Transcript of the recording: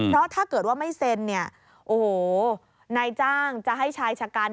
เพราะถ้าเกิดว่าไม่เซ็นนายจ้างจะให้ชายชะกัน